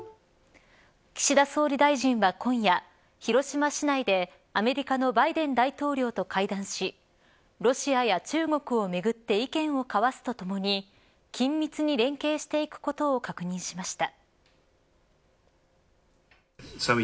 岸田総理大臣は今夜広島市内でアメリカのバイデン大統領と会談しロシアや中国をめぐって意見を交わすとともに緊密に連携していくことを確認しました。